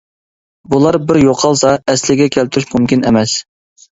بۇلار بىر يوقالسا، ئەسلىگە كەلتۈرۈش مۇمكىن ئەمەس.